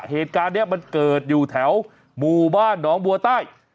เหตุการณ์นี้มันเกิดอยู่แถวหมู่บ้านหนองบัวใต้